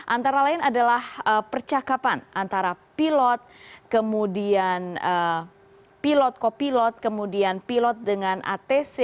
antara lain adalah percakapan antara pilot kemudian pilot kopilot kemudian pilot dengan atc